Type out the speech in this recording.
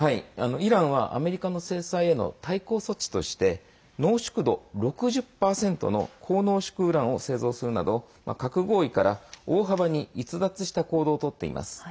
イランは、アメリカの制裁への対抗措置として濃縮度６０％の高濃縮ウランを製造するなど核合意から大幅に逸脱した行動をとっています。